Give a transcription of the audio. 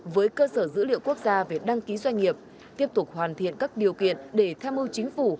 với cơ sở dữ liệu quốc gia về đăng ký doanh nghiệp tiếp tục hoàn thiện các điều kiện để theo mưu chính phủ